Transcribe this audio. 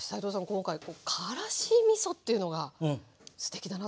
今回からしみそっていうのがすてきだなと思った。